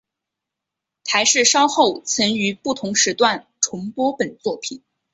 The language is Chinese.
台视稍后曾于不同时段重播本作品。